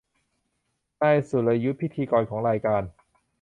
นายสรยุทธพิธีกรของรายการ